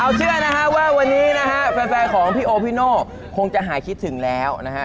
เอาเชื่อนะฮะว่าวันนี้นะฮะแฟนของพี่โอพี่โน่คงจะหายคิดถึงแล้วนะฮะ